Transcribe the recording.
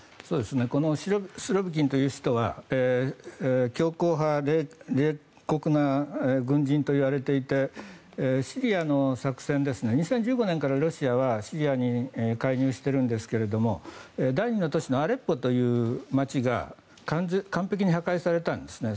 このスロビキンという人は強硬派で冷酷な軍人といわれていてシリアの作戦２０１５年からロシアはシリアに介入しているんですが第２の都市のアレッポという街が完璧に破壊されたんですね。